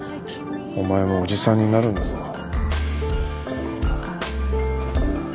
お前もおじさんになるんだぞ。